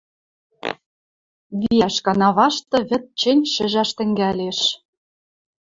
Виӓш канавашты вӹд чӹнь шӹжӓш тӹнгӓлеш.